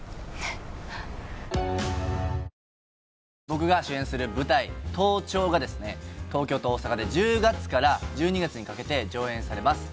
僕が主演する舞台「盗聴」が東京と大阪で１０月から１２月にかけて上演されます